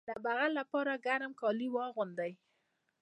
د سینه بغل لپاره ګرم کالي واغوندئ